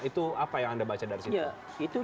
itu apa yang anda baca dari situ